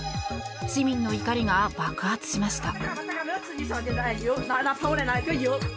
市民の怒りが爆発しました。